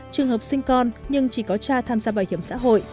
trường hợp sinh con nhưng chỉ có cha tham gia bảo hiểm xã hội